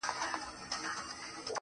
لوبي وې.